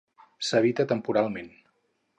S'habita temporalment.